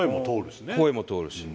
声も通るしね。